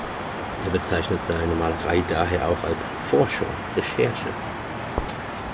Er bezeichnet seine Malerei daher auch als „Forschung“ (recherche).